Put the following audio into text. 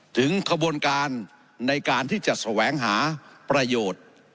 ถึงขบวนการในการที่จะแสวงหาประโยชน์